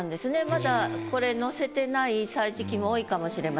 まだこれ載せてない歳時記も多いかもしれません。